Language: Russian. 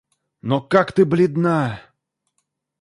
Но как ты бледна!